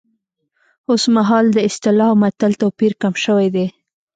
اوس مهال د اصطلاح او متل توپیر کم شوی دی